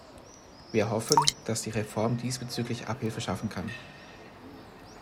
Wir hoffen, dass die Reform diesbezüglich Abhilfe schaffen kann.